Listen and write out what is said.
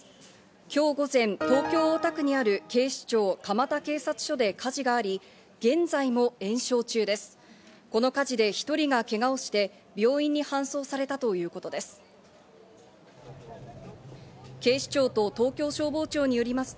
今日午前、東京・大田区にある警視庁・蒲田警察署で火事があり、現在も延焼中です。